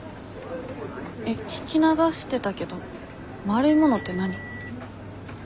えっ聞き流してたけど丸いものって何？